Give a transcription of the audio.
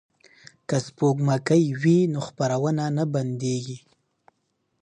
که سپوږمکۍ وي نو خپرونه نه بندیږي.